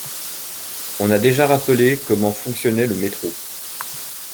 On a déjà rappelé comment fonctionnait le métro.